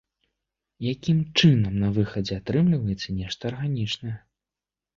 Якім чынам на выхадзе атрымліваецца нешта арганічнае?